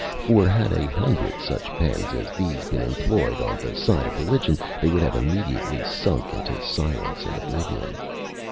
For had a hundred such pens as these been employed on the side of religion, they would have immediately sunk into silence and oblivion.